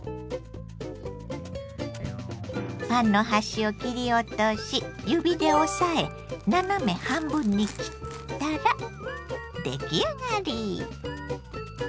パンの端を切り落とし指で押さえ斜め半分に切ったら出来上がり！